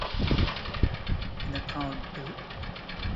In a compilation of hardness values only that of the hydride anion deviates.